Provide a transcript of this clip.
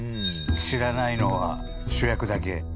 「知らないのは主役だけ」。